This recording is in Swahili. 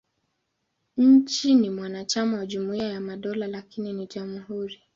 Nchi ni mwanachama wa Jumuiya ya Madola, lakini ni jamhuri.